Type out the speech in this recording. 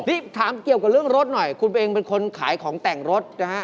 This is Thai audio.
นี่ถามเกี่ยวกับเรื่องรถหน่อยคุณเองเป็นคนขายของแต่งรถนะฮะ